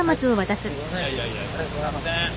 ありがとうございます。